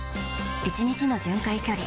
１日の巡回距離